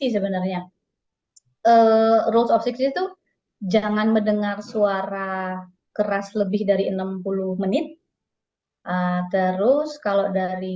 enam puluh sebenarnya rules of enam puluh itu jangan mendengar suara keras lebih dari enam puluh menit terus kalau dari